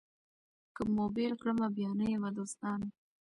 که مو بېل کړمه بیا نه یمه دوستانو